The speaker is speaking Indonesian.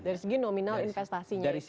dari segi nominal investasinya itu